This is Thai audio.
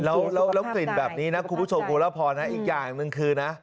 แล้วกลิ่นแบบนี้นะคุณผู้ชมคุณละพรนะอีกอย่างหนึ่งคือนะ